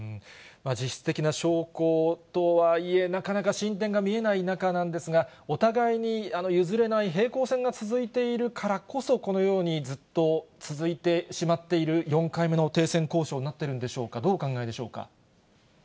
実質的な証拠とはいえ、なかなか進展が見えない中なんですが、お互いに譲れない平行線が続いているからこそ、このようにずっと続いてしまっている４回目の停戦交渉になっているんでしょうか、どうお考えでしょうか？